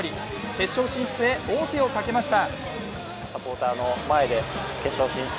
決勝進出へ王手をかけました。